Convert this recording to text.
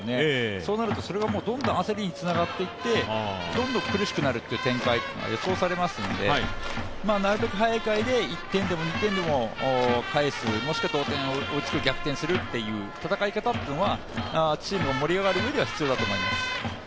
そうなるとそれがどんどん焦りにつながっていってどんどん苦しくなるという展開が予想されますので、なるべく早い回で１点でも２点でも返すもしくは同点に追いつく、逆転するっていう戦い方はチームが盛り上がるうえでは必要だと思います。